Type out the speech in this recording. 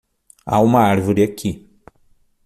Há uma árvore aqui